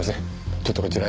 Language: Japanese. ちょっとこちらへ。